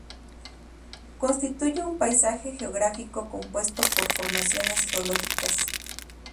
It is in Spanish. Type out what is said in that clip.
Constituye un paisaje geográfico compuesto por formaciones geológicas.